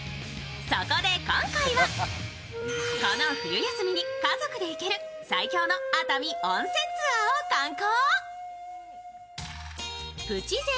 そこで今回はこの冬休みに家族で行ける最強の熱海温泉ツアーを敢行。